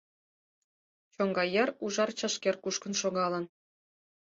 Чоҥга йыр ужар чашкер кушкын шогалын.